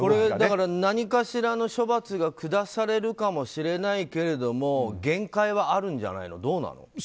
だから、何かしらの処罰が下されるかもしれないけども限界はあるんじゃないの？